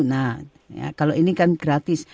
nah kalau ini kan gratis